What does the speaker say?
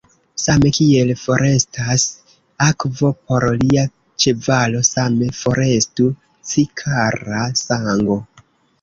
Same kiel forestas akvo por lia ĉevalo, same forestu ci, kara sango!